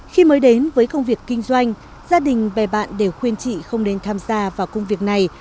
khi mới đến với công việc kinh doanh gia đình bè bạn đều khuyên chị không nên tham gia vào công việc này